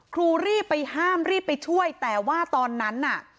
ครูรีบไปห้ามรีบไปช่วยแต่ว่าตอนนั้นน่ะ